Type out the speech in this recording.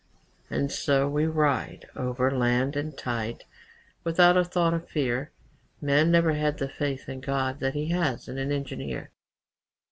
And so we ride Over land and tide, Without a thought of fear _Man never had The faith in God That he has in an engineer!